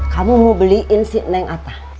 kamu mau beliin si neng apa